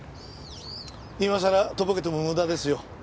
今さらとぼけても無駄ですよ。